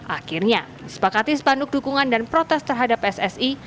akhirnya sepakati spanduk dukungan dan protes terhadap pssi